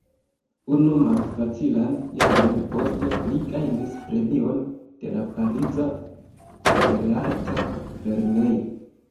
Unu malfacilan jaron poste, li gajnis premion de la pariza belarta lernejo.